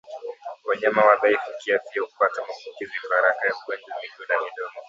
Wanyama wadhaifu kiafya hupata maambukizi kwa haraka ya ugonjwa wa miguu na midomo